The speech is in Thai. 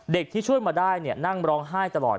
ที่ช่วยมาได้นั่งร้องไห้ตลอด